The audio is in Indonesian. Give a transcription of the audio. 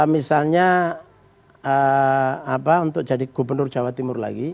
misalnya untuk jadi gubernur jawa timur lagi